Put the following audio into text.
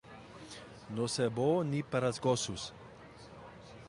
No ser bo ni per als gossos.